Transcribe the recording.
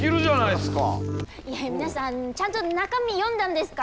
いやいや皆さんちゃんと中身読んだんですか？